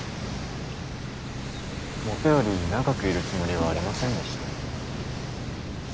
もとより長くいるつもりはありませんでした。